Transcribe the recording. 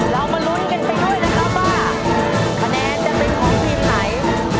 เรามาลุ้นกันไปด้วยนะครับว่าคะแนนจะเป็นของทีมไหน